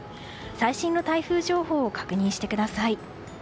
最新の台風情報を確認してください。